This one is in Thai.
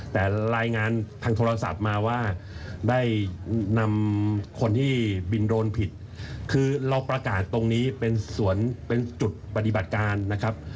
แต่รายงานทางโทรศัพท์มาว่าได้นำคนที่บินโดรนผิดคือเราประกาศตรงนี้เป็นสวนเป็นจุดปฏิบัติการนะครับ